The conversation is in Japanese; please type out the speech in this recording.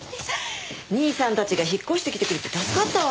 兄さんたちが引っ越してきてくれて助かったわ。